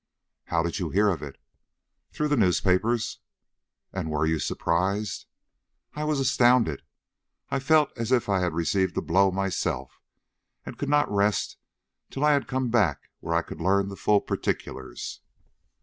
"How did you hear of it?" "Through the newspapers." "And you were surprised?" "I was astounded; I felt as if I had received a blow myself, and could not rest till I had come back where I could learn the full particulars."